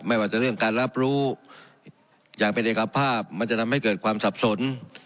ไม่ว่าจะเรื่องการรับรู้อย่างเป็นเอกภาพมันจะทำให้เกิดความสับสน